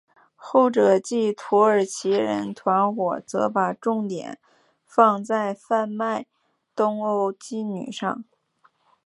后者即土耳其人团伙则把重点放在贩运东欧妓女上。